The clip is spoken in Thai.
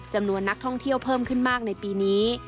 จำนวนนักท่องเที่ยวเพิ่มขึ้นมากในปีนี้